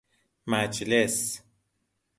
مجلس